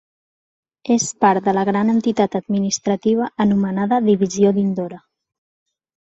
És part de la gran entitat administrativa anomenada Divisió d'Indore.